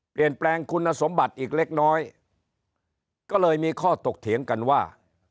เปลี่ยนแปลงคุณสมบัติอีกเล็กน้อยก็เลยมีข้อถกเถียงกันว่า